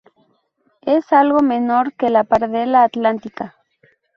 Es algo menor que la pardela atlántica.